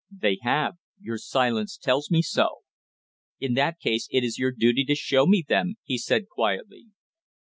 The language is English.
"They have. Your silence tells me so. In that case it is your duty to show me them," he said, quietly.